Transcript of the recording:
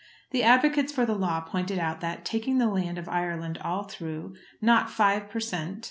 The advocates for the law pointed out that, taking the land of Ireland all through, not five per cent.